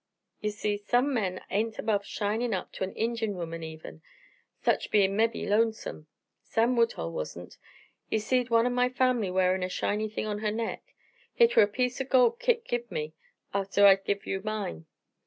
"Ye see, some men ain't above shinin' up to a Injun womern even, such bein' mebbe lonesome. Sam Woodhull wasn't. He seed one o' my fam'ly wearin' a shiny thing on her neck. Hit were a piece o' gold Kit give me atter I give you mine.